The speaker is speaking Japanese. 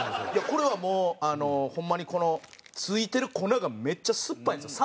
これはもうホンマにこの付いてる粉がめっちゃ酸っぱいんですよ。